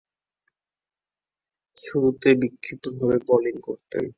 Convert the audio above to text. শুরুতে বিক্ষিপ্তভাবে বোলিং করতেন।